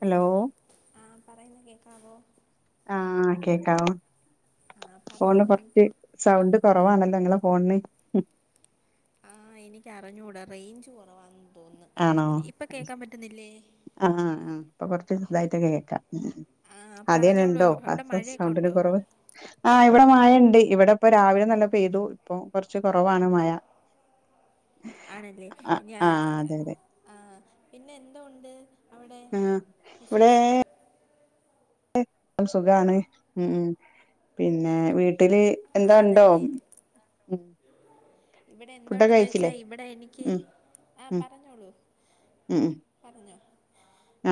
Hello ആഹ് പറയുന്ന കേൾക്കാവോ ആഹ് കേൾക്കാം ആ ഫണ് പറഞ്ഞോ എൻ കുറച്ച് സൗണ്ട് കുറവാണല്ലോ നിങ്ങളെ ഫോണിന് ആഹ് എനിക്ക് അറിഞ്ഞൂടാ റേഞ്ച് കുറവാന്ന് തോന്നുന്നു ആണോ ഇപ്പ ഇപ്പം കേൾക്കാൻ പറ്റുന്നില്ലേ ആഹ് ആഹ് അപ്പൊ കൊറച്ച് ഇതായിട്ട് കേൾക്കാം ആ അത്യേ പറഞ്ഞോളൂ ഇണ്ടോ അവിടെ മഴയൊക്കെ സൗണ്ടിന് ഉണ്ടോ കുറവ് ആഹ് ഇവിടെ മഴ ഇണ്ട് ഇവിടെ ഇപ്പം രാവിലെ നല്ലോണം പെയ്തു ഇപ്പൊ കുറച്ച് കുറവാണ് മഴ ആണല്ലേ ആഹ് ഞാ ആഹ് അതെ അതെ ആഹ് പിന്നെ എന്തൊണ്ട് അവിടെ ആഹ് ഇവിടെ വിശേഷം സുഖാണ് ഉം പിന്നെ വീട്ടില് എന്താ ഇണ്ടോ ആന്നല്ലേ ഉം ഇവിടെ ഫുഡൊക്കെ എന്തുണ്ടന്ന് കഴിച്ചില്ലേ വെച്ചാ ഇവിടെ എനിക്ക് ഉം ആഹ് ഉം പറഞ്ഞോളൂ [unintelligible] പറഞ്ഞോ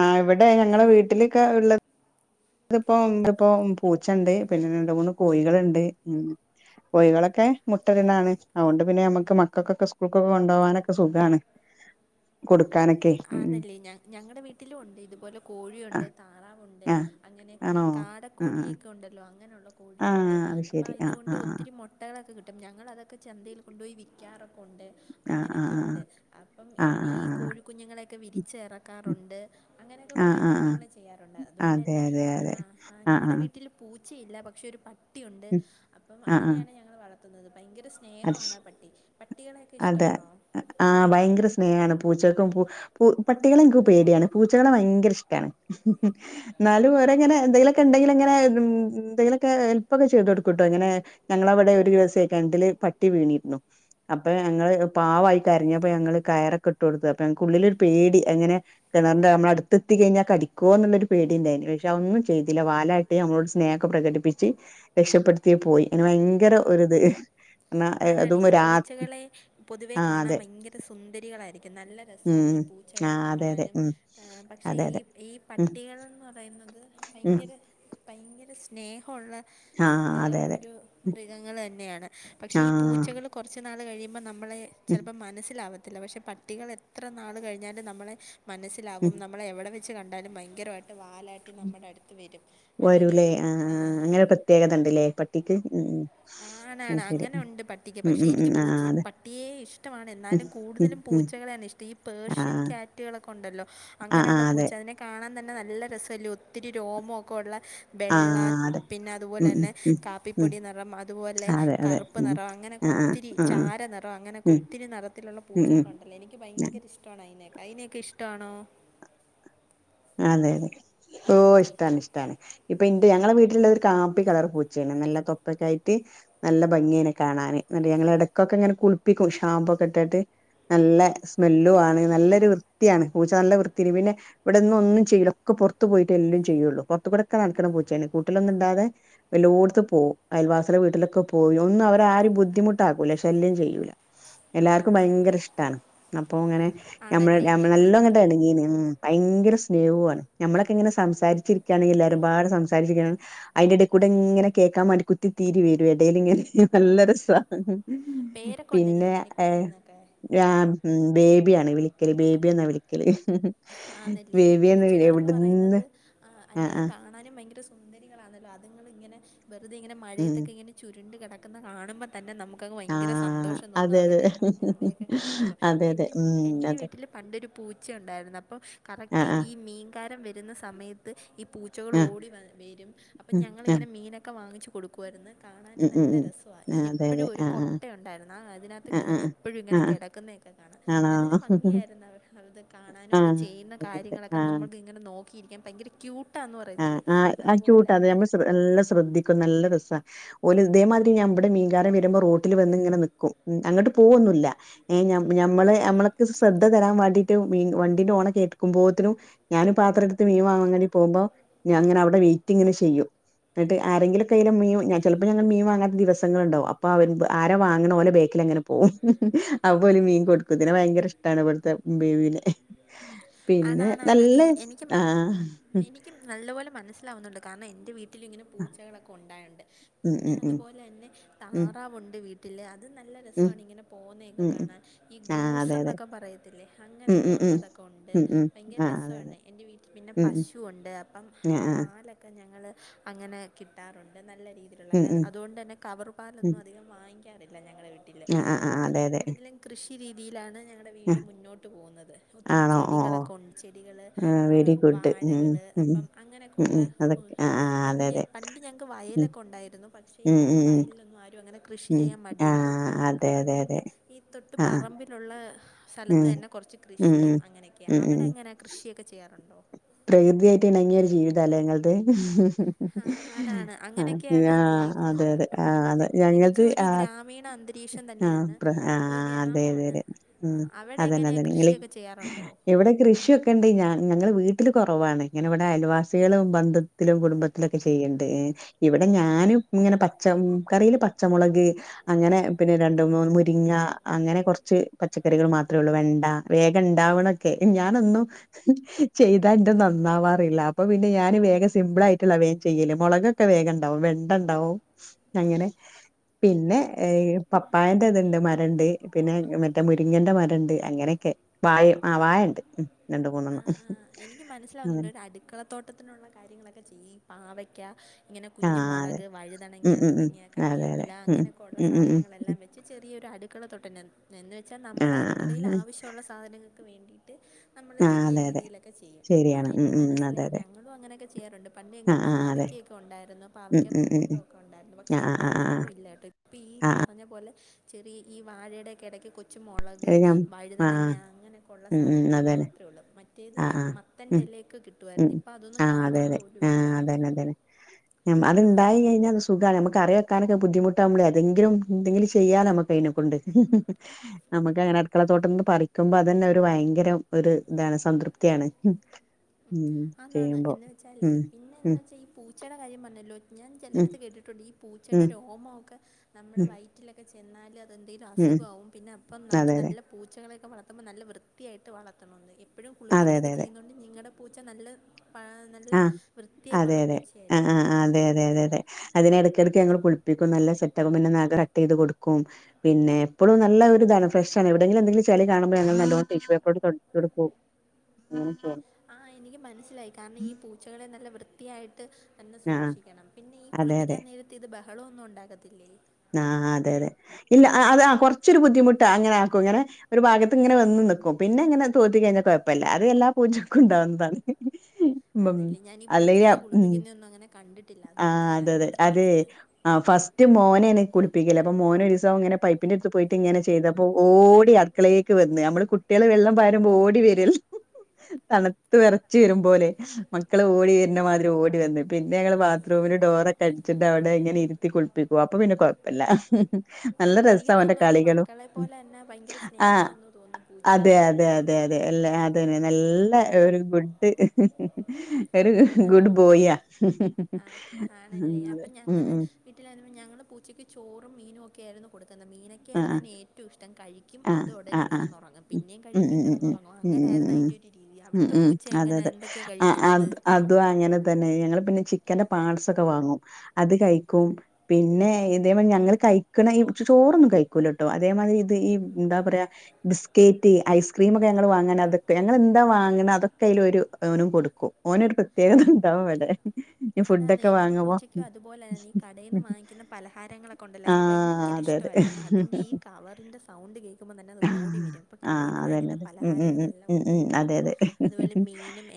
ആഹ് ഇവിടെ ഞങ്ങളെ വീട്ടിലെക്കെ ഇള്ളത് അത്പ്പോ ഇതിപ്പോ പൂച്ചണ്ട് പിന്നെ രണ്ട് മൂന്ന് കോഴികള്ണ്ട് ഉം കോഴികളൊക്കെ മുട്ടട്ണാണ് അതൊണ്ട് പിന്നെ നമുക്ക് മക്കൾക്കൊക്കെ സ്കൂൾക്കൊക്കെ കൊണ്ടുപോകാനൊക്കെ സുഖമാണ് കൊടുക്കാന് ആന്നല്ലേ ഞ ഞങ്ങളടെ വീട്ടിലും ഉണ്ട് ഇതുപോലെ കോഴിയുണ്ട് ആഹ് താറാവുണ്ട് ആഹ് അങ്ങനെ ആണോ ആഹ് കാടക്കോഴിയൊക്കെ ഉണ്ടല്ലോ അങ്ങനെയുള്ള ആഹ് കോഴിയുണ്ട് ആഹ് അത് അപ്പോ ശരി ആഹ് അതുകൊണ്ട് ആഹ് ഒത്തിരി മുട്ടകളൊക്കെ കിട്ടും ഞങ്ങളതൊക്കെ ചന്തയിൽ കൊ കൊണ്ടോയി വിക്കാറൊക്കെ ഉണ്ട് ആഹ് അങ്ങനൊക്കൊ ആഹ് ഉണ്ട് അപ്പം ആഹ് ഇങ്ങനെ ഈ ആഹ് കോഴി ഞ്ഞ്ങ്ങളൊക്കെ വിരിച്ച് ഇറക്കാറുണ്ട് അങ്ങനെക്കെ ആഹ് ആഹ് ആഹ് കൊറേ ആഹ് ആഹ് കാര്യങ്ങൾ ചെയ്യാറുണ്ട് അതുകൊണ്ട് അതെ തന്നെ അതെ അതെ ആഹ് ആഹ് ഞങ്ങടെ വീട്ടി പൂച്ചയില്ല പക്ഷെ ഒരു പട്ടിയുണ്ട് ഉം അപ്പം ആഹ് ആഹ് അതിനെയാണ് ഞങ്ങൾ വളർത്തുന്നത് ഭയങ്കര സ് അത് ശ സ്നേഹമാണ് അ പട്ടി പട്ടികളെയൊക്കെ അതെ ഇഷ്ടമാണോ ആഹ് ഭയങ്കര സ്നേഹമാണ് പൂച്ചക്കും പൂ പൂ പട്ടികളെ എനിക്ക് പേടിയാണ് പൂച്ചകളെ ഭയങ്കര ഇഷ്ടമാണ് ന്നാലും ഓരെങ്ങനെ എന്തെങ്കിലൊ ഉണ്ടെങ്കിൽ ഇങ്ങനെ എന്തെങ്കിലൊക്കെ ഹെൽപ്പൊ ഒക്കെ ചെയ്ത് കൊടുക്കും കേട്ടോ ഇങ്ങനെ ഞങ്ങളെവിടെ ഒരു ദിവസം കെൺറ്റില് പട്ടി വീണിരുന്നു അപ്പൊ ഞങ്ങള് പാവായി കരഞ്ഞപ്പോ ഞങ്ങള് കയറൊക്കെ ഇട്ട് കൊടുത്ത് അപ്പൊ ഞങ്ങൾക്ക് ഉുള്ളിലൊരു പേടി അങ്ങനെ കിണറിൻ്റെ നമ്മളെ അടുത്തെത്തി കഴിഞ്ഞാ കടിക്കോന്നുള്ളൊരു പേടി ഇണ്ടായി നി പക്ഷെ അതൊന്നും ചെയ്തില്ല വാലാ ട്ടി നമ്മളോട് സ്നേഹം പ്രകടിപ്പിച്ച് രക്ഷപ്പെടുത്തി പോയി പിന്നെ അയ്ന് ഭയങ്കര ഒരു ഇത് ആണാണ് ഈ പൂച്ചകളെ പൊതുവെ ആഹ് കാണാൻ അതെ ഭയങ്കര സുന്ദരികളായിരിക്കും നല്ല രസണ് ഉം ഈ പൂ ച്ചകളെ ആഹ് അതെ അതെ കാണാനും ഉം ങ് പക്ഷേ അതെ ഈ അതെ ഈ ഉം പട്ടികളന്ന് പറയുന്നത് ഉം ഭയങ്കര ഭയങ്കര സ്നേ ഹുള്ള ആഹ് ഏ അതെ അതെ ഒരു ഉം മൃഗങ്ങൾ തന്നെയാണ് പക്ഷേ ഈ ആഹ് പൂച്ചകൾ കുറച്ച് നാള് കഴിയുമ്പോൾ നമ്മളെ ഉം ചിലപ്പോൾ മനസ്സിലാവ ത്തില്ല പക്ഷെ പട്ടികൾ എത്ര നാള് കഴിഞ്ഞാലും നമ്മളെ ഉം മനസ്സിലാവും നമ്മളെ എവിടെ വെ ച്ച് കണ്ടാലും ഭയങ്കരയിട്ട് വാലാ വരൂല്ലേ ആഹ് ആഹ് അങ്ങനെ പ്രത്യേകത ഉണ്ട്ല്ലേ പട്ടിക്ക് ഉം ഉം അത് അങ്ങനെണ് ശരി അങ്ങനെ ഉണ്ട് പട്ടിക്ക് ഉം പക്ഷെ ഉം ഉം എനിക്ക് ആഹ് പുച്ച അതെ പട്ടിയെ ഇഷ്ടമാണ് ഉം എന്നാലും ഉം കൂടുതലും ഉം പൂച്ചകളെയാണ് ഇഷ് ഈ പേർഷ്യൻ ആഹ് കാറ്റുകളൊക്കെ ഉണ്ടല്ലോ ആഹ് അങ്ങനെള്ള ആഹ് അതെ പൂച്ച അതിനെ കാണാൻ തന്നെ നല്ല രസല്ലേ ഒത്തിരി രോമോക്കെ ഉള്ള വെള്ള ആഹ് അതെ പിന്നെ ഉം ഉം അതുപോലെന്നെ ഉം ഉം കാപ്പിപ്പൊടി നിറം അതുപോലെ അതെ അതെ കറുപ്പ് ഉം നിറം അങ്ങനെയൊക്കെ ആഹ് ആഹ് ഒത്തിരി ആഹ് ചാര നിറം അങ്ങനെയൊക്കെ ഉം ഒത്തിരി നിറത്തിലുള്ള ഉം ഉം പൂച്ചകളുണ്ടല്ലോ എനിക്ക് ഭയങ്കര ഇഷ് ഇഷ്ടണ് അയിനെ അതിനെയൊക്കെ ഇഷ്ടണോ അതെതെ ഓഹ് ഇഷ്ടാണ് ഇഷ്ടാണ് ഇപ്പൊ ഇന്റെ ഞങ്ങളെ വീട്ടിലുള്ളൊരു കാപ്പി കളർ പൂച്ചയാണ് നല്ല തൊപ്പക്കയിട്ട് നല്ല ഭംഗിയ അയ്നെ കാണാാന് ന്നിട്ട് ഞങ്ങള് ഇടക്കൊക്കെ ഇങ്ങനെ കുളിപ്പിക്കും ഷാമ്പൂ ഒക്കെ ഇട്ടാട്ട് നല്ല സ്മെല്ലു ആണ് നല്ലൊരു വൃത്തിയാണ് പൂച്ച നല്ല വൃത്തില് പിന്നെ ഇവിടെന്ന ഒന്നും ചെയ്യുല്ല ഒക്കെ പൊറത്ത പോയിട്ട എല്ല ചെയ്യുള്ളൂ പുറത്ത് കൂടെക്കെ നടക്ക്ണ പുച്ചേണ് കുട്ടിലൊന്നുടാതെ വെല്ലോട്ത്ത് പോവും അയൽവാസികളെ വീട്ടിലൊക്കെ പോയി ഒന്നും അവരാരും ബുദ്ധിമുട്ടാക്കൂല ശല്യം ചെയ്യൂല എല്ലാർക്കും ഭയങ്കര ഇഷ്ടണ് അപ്പൊ അങ്ങനെ ആണല്ലേ. നമ്മള് ഈ നല്ല എണങ്ങീനി ഉം ഭയങ്കര സ്നേഹുവാണ് നമ്മളൊക്കെ ഇങ്ങനെ സംസാരിച്ചിരിക്കണെങ്കിൽ എല്ലാവരുംപാടെ സംസാരിച്ചിരിക്കാ അയിന്റെ എടെകൂടെ ഇങ്ങനെ കേൾക്കാൻ മണ്ടി കുത്തി തീരി വരും എടേല് ഇങ്ങനെ നല്ല രസാ പേരൊക്കെണ്ടല്ലേ മണിക്കുട്ടിന്നൊക്കെ ആഹ് ബേബിയാണ് വിളിക്കല് ബേബേന്നാ വിളിക്കല് ആന്നില്ലേ ഈ ബേബിയെന്ന് പൂച്ചകൾ എന്ന് എവിടുന്ന് പറയുന്നത് ആഹ് അല്ലെങ്കലും ആഹ് കാണാനും ഭയങ്കര സു സുന്ദരികളാണല്ലോ അതുങ്ങ [unintelligible] അത്ങ്ങള് ഇങ്ങനെ വെറുതെ ഇങ്ങനെ ഉം മഴയത്തൊക്കെ ഇങ്ങനെ ചുരുണ്ട് കിടക്കുന്നത് കാണുമ്പോൾ തന്നെ നമുക്ക്ങ്ങ് ഭയങ്കര ആഹ് സന്തോഷം തോന്നും അതെ അതെ അവർ അവ അവയൊക്കെ കാണുമ്പോ അതെ എ അതെ ഉം എന്റെ അതെ വീട്ടില് പണ്ടൊരു പൂച്ച ഉണ്ടായിരുന്നു. ആഹ് കറക്റ്റ് ആഹ് മീൻകാരന് വരുന്ന സമയത്ത് ഈ പൂച്ച ച്ചകൾ ആഹ് ഓടി വ വരും അപ്പം ഉം ആഹ് ഞങ്ങളൾങ്ങനെ മീനൊക്കെ വാങ്ങിച്ച് കൊടുക്കും ക്കുവന്ന് കാണാനും ഉം ഉം നല്ല ഉം രസാ ആഹ് അതെ അതെ എപ്പോഴും ഒരു ആഹ് കൊട്ടയുണ്ടായിരുന്നു ആ അതിനകത്ത് ആഹ് കയറി ആഹ് എപ്പോഴും ഇങ്ങനെ ആഹ് ആഹ് കിടക്കുന്നതൊക്കെ കാണാം നല്ല ആണോ ഭംഗിയായിരുന്നു അവർ അത് കാണാം അതിനും അത് ആഹ് ചെയ്യുന്ന അതെ അതെ കാര്യങ്ങളൊക്കെ ആഹ് നമ്മുക്ക ഇങ്ങെ നോക്കിയിരിക്കാൻ ഭയങ്കര ക്യൂട്ട് ട്ടാന്ന് ആഹ് പറയത്തില്ലേ ആഹ് ആഹ് അതുപോലെ ക്യൂട്ടാ അത് നമ്മൾ നല്ല ശ്രദ്ധിക്കും നല്ല രസാ ഓൽ ഇതേമാ ഞാൻ ഇവടെ മീൻകാര വരുമ്പോ റോട്ടിൽ വന്ന് ഇങ്ങനെ നിക്കും ഉ അങ്ങോട്ട് പോവൊന്നുല്ല മ്മള് നമ്മക്ക് ശ്രദ്ധ തരാൻ വേണ്ടിട്ട് മീൻ വണ്ടിന്റെ ഓണ കേക്കുമ്പോത്തിനും ഞാനും പാത്രം എടുത്ത് മീൻവാങ്ങാൻ പോകുമ്പോ ഞാൻ ഇങ്ങനെ അവിടെ വെയ്റ്റ്ങ്ങനെ ചെയ്യും എന്നിട്ട് ആരെങ്കിലൊക്കെയ്യിലോ മീൻ ചിലപ്പോ ഞങ്ങള് മീൻങ്ങാത്ത ദിവസങ്ങളുണ്ടാവും അപ്പോ അവ ആരെ വാങ്ങണ ഓല ബാക്കില് അങ്ങനെ അ പോല് മീൻ കൊടുക്കുത്ത് ഇതിനെ ഭയങ്കര ഇഷ്ടാണ് ഇവിടുത്തെ ബേബിനെ പിന്നെ ആണാണാണ് നല്ല ആഹ ഇക്കും നല്ല പോലെ മനസ്സിലാവുന്നുണ്ട് കാരണം എന്റെറെ വീട്ടിൽ വീട്ടിലിങ്ങനെ പൂച്ചകളൊക്കെ ഉണ്ടായുണ്ട് ഉം പിന്നെ ഉം ഉം അതുപോലെ തന്നെ ഉം താറാവുണ്ട് വീട്ട അത് നല്ല ഉം ഉം രസാണ് ഇങ്ങനെ പോകുന്നതൊക്കെ ഉം ഉം കാണാൻ ഈ ആഹ് ഗൂസ് അതെ അതെ എന്നൊക്കെ പറയത്തില്ലേ ഉം അങ്ങനെയൊക്കെ ഉം ഉം ഉള്ളതൊക്കെ ഉണ്ട് ഉം ഉം ഭയങ്കര ആഹ് അതെ അതെ രസമാണ് എൻ്റെ വീട്ടിൽ പിന്നെ ഉം ഉം പശുവുണ്ട് അപ്പം ആഹ് ആഹ് പാലൊക്കെ ക്കെ ഞങ്ങൾ അങ്ങനെ കിട്ടാറുണ്ട് നല്ല രീതിയിലുള്ള ഉം അല്ല ഉം അതുകൊണ്ട് തന്നെ കവറ് ഉം പാലൊന്നും അധികം വാങ്ങിക്കാറില്ല ഞങ്ങളുടെ വീട്ടിൽ ആഹ് ആഹ് ആഹ് അപ്പോൾ അതെ അതെ കൂടുതലും കൃഷി രീതിയിലാണ് ഞങ്ങളുടെ വീട് ആഹ് മുന്നോട്ട് പോകുന്നത് ഒത്തിരി ആണോ ഓഹ് ചെടികളൊക്കെ ഉണ്ട് ചെടികൾ ആഹ് വെരി ഗുഡ് ഉം വാഴകള് ഉം അപ്പം അങ്ങനെയൊക്കെയ ഉം ഉള്ള ഉം അതൊക്കെ ആഹ് ആഹ് അതെ വലിയ അതെ പണ്ട് ഞങ്ങൾക്ക് ഉം വയലൊക്കെ ഉണ്ടായിരുന്നു പക്ഷേ ഉം ഇപ്പം ഉം ഉം വയലിലൊന്നും ആരും അങ്ങനെ കൃഷി ഉം ചെയ്യാൻ മടിയല്ലേ ആഹ് അതെ അപ്പ അതെ അതുകൊണ്ട് അതെ ഈ തൊട്ടു ആഹ് പറമ്പില് ള്ള സ്ഥലത്ത് ഉം തന്നെ കുറച്ച് ഉം ഉം കൃഷിയും അങ്ങനെയൊക്കെയ ഉം ഉം അവിടെ എങ്ങനെ കൃഷിയൊക്കെ ചെയ്യാറുണ്ടോ? പ്രകൃതിയായിട്ട് ഇണങ്ങിയ ഒരു ജീവിതാലെ ആ ആണാണ് ങ്ങൾ അങ്ങനെയൊക്കെയാണ് ആ അതെ ജീവിക്കുന്നത് അതെ അപ്പം ആ എനിക്ക് അതെ ഞങ്ങൾത് തികച്ചും ഒരു ആ ഗ്രാമീണ അന്തരീക്ഷം ആ തന്നെയാണ് ആ അപ്പോൾ അതെ അതെ ഗ്രാമമാണ് അതെ ആ, ഉം അവിടെ അതന്നെ എങ്ങനെയാണ് അതന്നെ ഇങ്ങ കൃഷിയൊക്കെ ചെയ്യാറുണ്ടോ ഇവിടെ കൃഷിയൊക്കെ ഉണ്ട് ഞങ്ങള് വീട്ട കുറവാണ് ഇങ്ങനെ ഇവിടെ അയൽവാസികളും ബന്ധത്തിലും കുടുംബത്തിലുംൊക്കെ ചെയ്ണ്ട് ഇവിടെ ഞാനും ഇങ്ങനെ പച്ച കറിയില് പച്ചമുളക് അങ്ങനെ പിന്നെ രണ്ട് മൂന്ന് മുരിങ്ങ അങ്ങനെ കുറച്ച് പച്ചക്കറികൾ മാത്രേ ഉള്ളൂ വെണ്ട വേഗം ഉണ്ടാവണ ക്കെ ഞാനൊന്നു ചെയ്താന്റെ നന്നാവാറില്ല അപ്പൊ പിന്നെ ഞാന് വേഗം സിമ്പിൾ ആയിട്ടുള്ള വേം ചെയ്യൽ മുളക് ഒക്കെ വേഗം ഉണ്ടാവും വെണ്ട ഉണ്ടാവും അങ്ങനെ പിന്നെ പപ്പായന്റെ ഇതുണ്ട് മരണ്ട് പിന്നെ മറ്റേ മുരിങ്ങന്റെ മരം ഉണ്ട് അങ്ങനെയൊക്കെ വായ ആ വായ ഉണ്ട് രണ്ട് മൂന്നണം ആഹ് ആഹ് എനിക്ക് മനസ്സിലാവുന്നുണ്ട് ഒരു അടുക്കളത്തോട്ടത്തിനുള്ള കാര്യങ്ങളൊക്കെ ചെയ്യ് പാവയ്ക്ക ഇങ്ങനെ ആ കുഞ്ഞു അതെ മുളക് ഉം വഴുതണങ്ങിയ ഉം ഉം തുങ്ങിയ അതെ അതെ കറിയപ്പില ഉം അങ്ങനെയൊക്കെ ഉള്ള ഉം ഉം ഉം ഉം. സാധനങ്ങളെല്ലാം വെച്ച് ചെറിയൊരു അടുക്കള തൊട്ടന്ന എന്ന് വെച്ചാൽ ആ നമ്മുടെ അടുക്കളയിൽ ആവശ്യമുള്ള സാധനങ്ങൾക്ക് വേണ്ടിയിട്ട് ആ ചെറിയ അതെ അതെ രീതിയിലൊക്കെ ചെയ്യും ആ ശരിയാണ് ഉം എനിക്ക് ഉം അതെ മനസിലായി അതെ ഞങ്ങളും അങ്ങനെയൊക്കെ ചെയ്യാറുണ്ട് ആ പണ്ട് ആ അതെ പാവയ്ക്ക ഉണ്ടായിരുന്നു ഉം പാവയ്ക്ക ഉം ഉം ഉം തോട്ടമൊക്കെ ഉണ്ടായിരുന്നു ആ പക്ഷെ ആ ഇപ്പൊ ആ ആ അങ്ങനെന്നും ഇല്ല ട്ടോ ഇപ്പൊ ഈ പറഞ്ഞ പോലെ ചെറിയ ഈ വാഴയുടെൊക്കെ ഇടക്ക് കൊച്ചു മുളക് അത് ഞാൻ ആ വഴുതണങ്ങ അങ്ങനെയൊക്കെ ഉള്ള ഉം ഉം സാധനങ്ങൾ അതന്നെ മാത്രം. അത്ര ഉള്ളൂ മറ്റേത് ആ ആ ഉം മത്തൻ്റെലേൊക്കെ ഉം കിട്ടുവായിരുന്നു ഇപ്പം അതൊന്നും ആ അതെ കാണാൻ അതെ പോലും ആ ഇല്ല അതന്നെ അതന്നെ അത് ഉണ്ടായി കഴിഞ്ഞാൽത് സുഖമാണ് നമുക്ക് കെറിവെക്കാനൊക്കെ ബുദ്ധിമുട്ട് ളെ അതെങ്കിലും എന്തെങ്കിലും ചെയ്യാ നമക്ക് അയിനെക്കൊണ്ട് നമുക്ക് അങ്ങനെ അടുക്കള തോട്ടംന്ന് പറിക്കുമ്പോ അത് തന്നെ ഒരു ഭയങ്കര ഒരു ഇതാണ് സംതൃപ്തിയാണ് ഉം ആന്നാണ് ചെയ്യുമ്പോ എന്ന് വെച്ചാലേ ഉം പിന്നെ ഉം വെച്ചാൽ ഈ പൂച്ചയുടെ കാര്യം പറഞ്ഞല്ലോ ഞാൻ ഉം ചിലടുത്ത് കേട്ടിട്ടുണ്ട് ഈ പൂച്ചയുടെ ഉം രോമൊക്കെ നമ്മുടെ ഉം വൈറ്റിലൊക്കെ ചെന്നാൽ അതെന്തെങ്കിലും ഉം അസുഖമാകും പിന്നെ അപ്പം നമ്മള് അതെ അതെ നല്ല പൂച്ചകളൊക്കെ വളർത്തുമ്പോൾ നല്ല വൃത്തിയായിട്ട് വളർത്തണന്ന് എപ്പോഴും അതെ അതെ കുളിപ്പിക്കുകൊക്കെ അതെ ചെയ്യുന്നുണ്ട് നിങ്ങടെ പൂച്ച നല്ല നല്ല ആഹ് വൃത്തിയൊക്കെ അതെ ഉള്ള അതെ ആഹ് പൂച്ചയായിരിക്കും ആഹ് അല്ലേ അതെ അതെ അതെതെ അതിണെ ഇടക്കിടയ്ക്ക് ഞങ്ങൾ കുളിപ്പിക്കും നല്ല സെറ്ററൂം പിന്നെ നഖ കട്ട് ചെയ് കൊടുക്കും പിന്നെ എപ്പളും നല്ല ഒരു ഇതാണ് ഫ്രഷാണ് എവിടെയെില എന്തെില ചി കാണുമ്പോ നല്ലോണം ടിഷ്യൂ പേപ്പറോട് കൊടുക്കോ [inaudible] ആഹ് എനിക്ക് മനസ്സിലായി കാരണം ഈ പൂച്ചകളെ നല്ല വൃത്തിയായിട്ട് എന്നന്നെ ആഹ് സൂക്ഷിക്കണം പിന്നെ ഈ അതെ അതെ കുളിപ്പിക്കാൻ നേരത്തി ഇത് ബഹളോന്നും ഉണ്ടാകത്തില്ലേ ആഹ് അതെ അതെ ഇല്ല അത കുറച്ചൊരു ബുദ്ധിമുട്ട് അങ്ങനെ ആക്കും ഇങ്ങനെ ഒരു ഭാഗത്ത് ഇങ്ങനെ വന്ന് നക്കും പിന്നെ അങ്ങനെ തോത്തി കഴിഞ്ഞാൽ കുഴപ്പള്ള അത് എല്ലാ പൂജക്കും ഉണ്ടാവുന്നതാണ് ഉം ആന്നല്ലേ ഞാൻീഈ അല്ലെങ്കിൽ പൂച്ചകളെ ഉം കുളിപ്പിക്കുന്ന ഒന്നും അങ്ങനെ കണ്ടിട്ടില്ല അതുകൊണ്ടാ ആഹ് ഞാൻ അതെ അങ്ങനെ അതെ അത് ചോയ്ച്ചത് ആഹ് ഫസ്റ്റ് മോനെെനി കുളിപ്പിക്കില്ല അപ്പൊ മോന ഒരുിവസം ഇങ്ങനെ പൈപ്പിന്റെടുത്ത് പോയിട്ട് ഇങ്ങനെ ചെയ്തപ്പോൊ ഓടി അടുക്കളേക്ക് വന്ന് നമ്മള് കുട്ടികള് വെള്ളം പരുമ്പോ ഓടി വരല്ല തണുത്ത് വെറച്ച വരും ലെ മക്കള് ഓടിന്നമാതിരി ഓടി വന്നു പിന്നെ ഞങ്ങള് ബാത്റൂമില് ഡോറക്കെ അടിച്ചിണ്ട് അവിടെ ഇങ്ങനെ ത്തി കുളിപ്പിക്കുക അപ്പ പിന്നെ പ്പല്ല നല്ല എ- രസ എനിക്ക് അവന്റെ തോന്നുന്നു ഒരു കളികളും മക്കളെ പോലെ തന്നെ ഭയങ്കര ആഹ് സ്നേഹമാണെന്ന് തോന്നുന്നു അതെ പൂച്ചയോടും അതെ അല്ലേ അതെ അതെ എല്ല അതന്നെ നല്ല ഒരു ഗുഡ് ഒരു ആന്ന് ഗുഡ് ബോയ്യ്യ വീട്ടിലായിരുന്നു ഞങ്ങൾ പൂച്ചക്ക് ചോറും മീനക്കെ ആയിരുന്നു കൊടുക്കുന്നത് മീനെ എക്കെയായിരുന്നു ആഹ് അതിന് ഏറ്റവും ഇഷ്ടം കഴിക്കും ആഹ് അത് ഉടന ആഹ് ആഹ് കെടന്നുറങ്ങും പിന്നേും ഉം കഴിക്കും ഉം ഉം കിടന്നുറങ്ങും ഉം ഉം അങ്ങനെയായിരുന്നു ഉം അതിന്റെ ഒരു രീതി ഉം ഉം അവിടുത്തെ ഉം പൂച്ച അതെ എങ്ങനെയ അതെ എന്തൊക്കെയാ ആഹ് അത് കഴിക്കുന്നത് അതും അങ്ങനെ തന്നെ ഞങ്ങൾ പിന്നെ ചിക്കന്റെ പാട്സൊക്കെ വാങ്ങും അത് കഴിക്കും പിന്നെ ഇതേ ഞങ്ങള് കഴിക്കണ ഈ ചോറ് ന്ന് കഴ്ക്കൂലട്ടോ അതേമാരി ഇത് ഈ എന്താ പറയാ ബിസ്കറ്റ് ഐസ്ക്രീമൊക്കെ ഞങ്ങൾ വാങ്ങാൻ അതൊക്കെ ഞങ്ങൾ എന്താ വാങ്ങണ അതൊക്കെയിലോരു ഓനും കൊടുക്കും. ഓനൊരു പ്രത്യേകതണ്ടാവും വടെ ആന്നാന്ന് എന്റെ പൂച്ചയ്ക്കും അതുപോലെ തന്നെ ഈ കടയിൽ നിന്ന് വാങ്ങിക്കുന്ന പലഹാരങ്ങളൊക്ക ഉണ്ടല്ല അയ്ന് ആഹ് ഭയങ്കര അതെ ഇഷ്ടമായിരുന്നെ അതെ അതിൻ്റെ ഈ കവറിൻ്റെ സൗണ്ട് കേക്കുമ്പ തന്നെ അത് ഓടി വരും ഇപ്പം ആഹ് കടയിന്ന് അതന്നെ വാങ്ങുന്ന അതെ ഉം ഉം ഉം പലഹാരങ്ങളെല്ലാം ഉം ഉം ഒത്തിരി അതെ കൊടുക്കും അതെ അതുപോലെ മീനും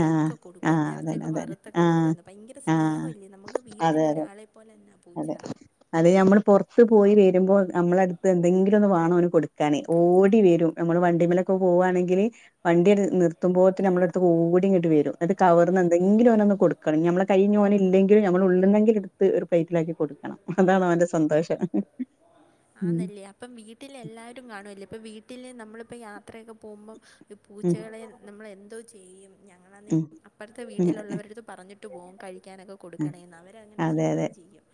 ആഹ് ആഹ് കൊടുക്കുവാരുന്നു അതന്നെ ഇറച്ചിയൊക്കെ അതന്നെ വറുത്തൊക്കെ ആഹ് കൊടുക്കുവാരുന്നു. ഭയങ്കര ആഹ് സ്നേഹവല്ലേ നമുക്ക് അതെ വീട്ടില് അതെ ഒരാളെപ്പോലെന്നാ പൂച്ച അതെ അത് ഞമ്മൾ പുറച്ച് പോയി വ വരുമ്പോ നമ്മളടുത്ത് എന്തെങ്കിലും ഒന്ന് വാണം ഓന് കൊടുക്കാനേ ഓടി വരും നമ്മള് വണ്ടിമ്മലൊക്കെ പോവാണെങ്കിൽ വണ്ടി നിർത്തുമ്പോത്തിന് നമ്മുടെ അടുത്ത് ഓടിങ്ങട്ട് വരും ന്നട്ട് കവർന്ന് എന്തെങ്കിലും ഓനൊന്ന് കൊട് ക്കാണ് ഇഞ്ഞി ഞമ്മളെ കയ്യിഞ്ഞോന് ഇല്ലെങ്ക് ങ്കിലും നമ്മൾ ഉള്ളുന്നെങ്കിലും ഇടുത്ത് ഒരു പ്ലേറ്റിലാക്കി കൊടുക്കണം അതാണ് അവന്റെ സന്തോഷം. ഉം ആന്നല്ല ഇപ്പം വീട്ടിൽ എല്ലാരും കാണുവല്ലോ ഇപ്പ വീട്ടില് നമ്മളിപ്പോ യാത്രയൊക്കെ പോകുമ്പം ഈ ഉം പൂച്ചകളെ നമ്മളെന്തോ ചെയ്യും ഉം ഞങ്ങളാന്നെങ്കി അപ്പറത്തെ വീലുള്ളവരെടുത്ത് പറഞ്ഞിട്ട് പോകും കഴിക്കാനൊക്കെ ഉം കൊടുക്കണേന്ന് അവരങ്ങനെ അതെ അതെ ചെയ്യുകയും ചെയ്യും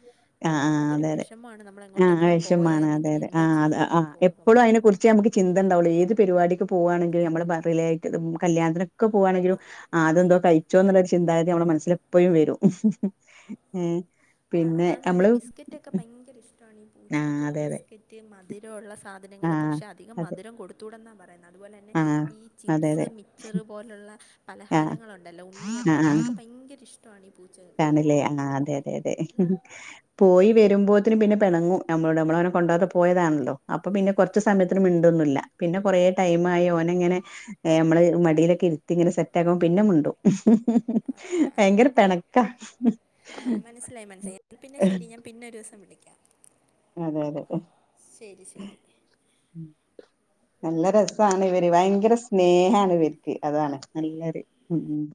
ആഹ് നമുക്കൊരു വിഷമാണ് നമ്മളങ്ങോട്ട് ആഹ് വെഷമാണ് അതെ അതെ ആഹ് അത് ആഹ് എപ്പളും ഓർക്കുമ്പം. അയിനെ കുറിച്ച് ച്ചേ മ്മക്ക് ചിന്തണ്ടാവുള്ളൂ ഏത് പരിപാടിക്ക് പോവാണങ്കിലും നമ്മള് പറീല്ലേ അയിറ്റ കല്യാത്തിനൊെക്കെ പോവാണെങ്കിലും അതെന്തോ കഴിച്ചോന്നുള്ളരു ചിന്താഗതി നമ്മുടെ മനസ്സിലെപ്പഴും വരും ഏഹ് ആഹ്, പിന്നെ ആന്നാന്ന് നമ്മള് ബിസ്ക്കറ്റ് ഒക്കെ ഭയങ്കര ഇഷ്ടവാണ് ഈ ആ, പൂച്ചകക്ക്. അതെ, അതെ. ബിസ്ക്കറ്റ് മധുര ഉള്ള സാധ ആ, നങ്ങള് പക്ഷ അധികം അതെ. മധുരം കൊടുത്തൂടെന്നാ പറയുന്നേ? അതുപോലെ തന്നെ ആ, ഈ അതെ, ചിപ്സ് അതെ. മിച്ചർ പോ ലുള്ള ആ, പലഹാരങ്ങളുണ്ടല്ലോ? ആ, ഉണ്ണിയപ്പം ഇതൊക്കെ ഭയങ്കര ഇഷ്ടവാണ് ഈ പൂച്ചകക്ക്. ആഹ്, അതെ, അതെ, അതെ. പോയി വരുമ്പോത്തിന് പിന്നെ പിണങ്ങും. നമ്മളോട് നമ്മളവനെ കൊണ്ടാതെ പോയതാണല്ലോ? അപ്പൊ പിന്നെ കൊറ ച്ച് സമയത്തിന് മിണ്ടൊന്നൂല്ല. പിന്നെ കുറേ ടൈം ആയി, ഓനങ്ങനെ ഏഹ്, മ്മള് മടിയിലൊക്കെ ഇരുത്തി ഇങ്ങെനെ സെറ്റാക്കുമ്പോ, പിന്ന മിണ്ടും. ഭയങ്കര പിണക്കാ. ആഹ്, മനസ്സിലായി മനസായി. അപ്പൊ പിന്നെ ശെരി, ഞാൻ പിന്നെ ഒരു ദിവസം വിളിക്കാം. അതെ, അതെ ശരി ശരി നല്ല രസാണ് ഇവര്. ഭയങ്കര സ്നേഹാണ് ഇവർക്ക്. അതാണ് നല്ലൊരു ഉം